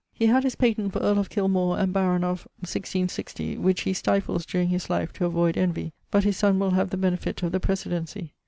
He had his patent for earle of Kilmore and baron of ... 166 which he stifles during his life to avoyd envy[LVI.], but his sonne will have the benefitt of the precedency.